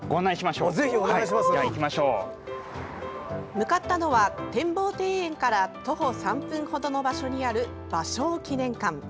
向かったのは展望庭園から徒歩３分程の場所にある芭蕉記念館。